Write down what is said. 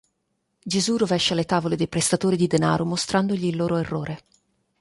Gesù rovescia le tavole dei prestatori di denaro mostrandogli il loro errore.